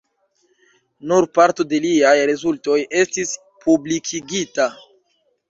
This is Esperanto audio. Nur parto de liaj rezultoj estis publikigita.